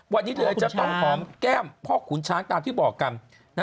วันนี้เธอจะต้องหอมแก้มพ่อขุนช้างตามที่บอกกัน